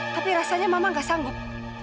tapi rasanya mama gak sanggup